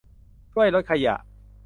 ช่วยลดขยะ